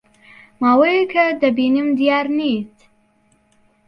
ماوەیەکە دەبینم دیار نیت.